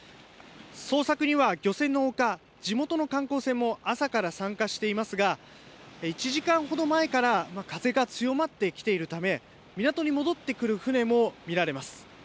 捜索には漁船のほか地元の観光船も朝から参加していますが１時間ほど前から風が強まってきているため港に戻ってくる船も見られます。